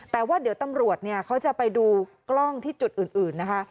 แต่ว่าเดี๋ยวตำรวจเนี่ยเขาจะไปดูกล้องที่จุดอื่นนะคะ